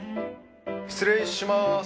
失礼します！